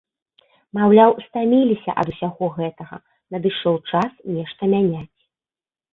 Маўляў, стаміліся ад усяго гэтага, надышоў час нешта мяняць.